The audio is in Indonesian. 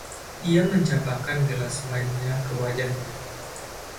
Ia mencampakkan gelas wine-nya ke wajahnya